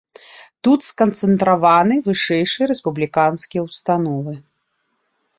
Тут сканцэнтраваны вышэйшыя рэспубліканскія ўстановы.